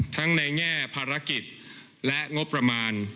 ในแง่ภารกิจและงบประมาณ